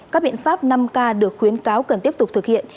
các biện pháp năm k được khuyến cáo cần tiếp tục thực hiện